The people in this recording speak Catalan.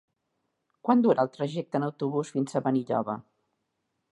Quant dura el trajecte en autobús fins a Benilloba?